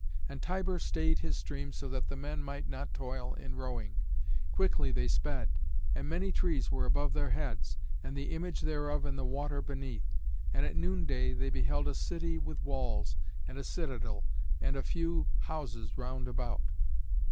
And Tiber stayed his stream so that the men might not toil in rowing. Quickly they sped, and many trees were above their heads, and the image thereof in the water beneath. And at noonday they beheld a city with walls, and a citadel, and a few houses round about.